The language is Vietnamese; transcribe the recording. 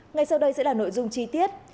ngay sau đây sẽ là nội dung chi tiết